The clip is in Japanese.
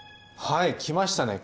はい来ましたね